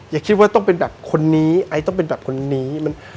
อย่าคิดว่าต้องเป็นแบบคนนี้ไอซ์ต้องเป็นแบบคนนี้